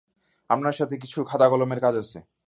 আপনার সাথে কিছু খাতা-কলমের কাজ আছে।